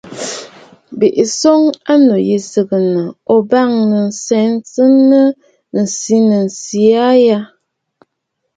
Bɨ swoŋə aa annu yî sɨgɨ̀ǹə̀ ò bâŋnə̀ senə nɨ̂ ǹsî sènə̀ aa a ya?